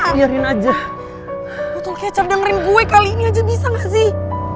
butuh kecap dengerin gue kali ini aja bisa gak sih